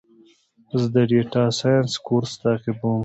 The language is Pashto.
زه د ډیټا ساینس کورس تعقیبوم.